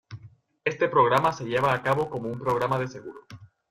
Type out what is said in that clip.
Este programa se lleva a cabo como un programa de seguro.